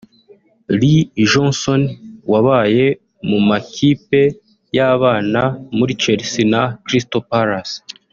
Lee Johnson wabaye mu makipe y’abana muri Chelsea na Crystal Palace